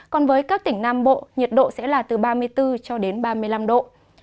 còn với các tỉnh nam bộ nhiệt độ sẽ là từ ba mươi bốn cho đến ba mươi năm độ